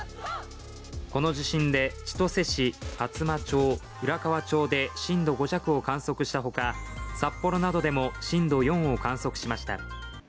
この地震で、千歳市、厚真町浦河町で震度５弱を観測した他札幌などでも震度４を観測しました。